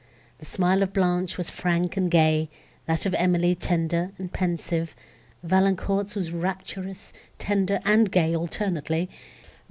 The smile of Blanche was frank and gay, that of Emily tender and pensive; Valancourt's was rapturous, tender and gay alternately; Mons.